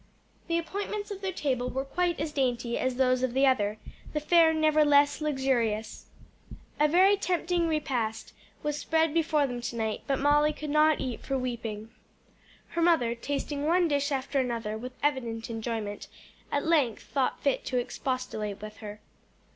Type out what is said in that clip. The appointments of their table were quite as dainty as those of the other, the fare never less luxurious. A very tempting repast was spread before them to night, but Molly could not eat for weeping. Her mother, tasting one dish after another with evident enjoyment, at length thought fit to expostulate with her.